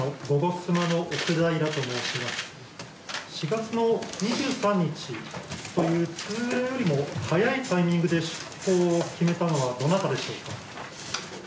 ４月の２３日という普通よりも早いタイミングで出航を決めたのはどなたでしょうか。